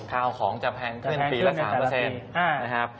ถ่ายของจะแพงขึ้นนะครับปีละ๓